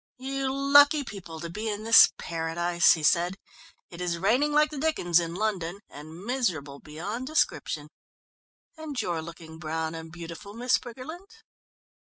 "You lucky people to be in this paradise!" he said. "It is raining like the dickens in London, and miserable beyond description. And you're looking brown and beautiful, Miss Briggerland."